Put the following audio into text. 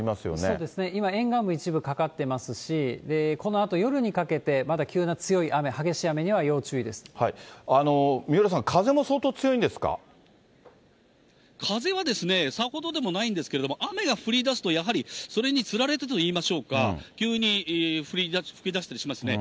そうですね、今、沿岸部一部かかってますし、このあと夜にかけて、まだ急な強い雨、三浦さん、風も相当強いんで風はさほどではないんですが、雨が降りだすと、やはりそれにつられてといいましょうか、急に吹きだしたりしますね。